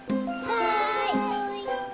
はい。